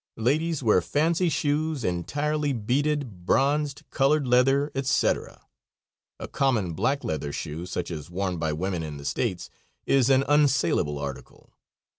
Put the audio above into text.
Ladies wear fancy shoes entirely beaded, bronzed, colored leather, etc. A common, black leather shoe, such as worn by women in the States, is an unsalable article.